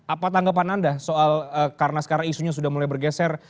apa tanggapan anda soal karena sekarang isunya sudah mulai bergeser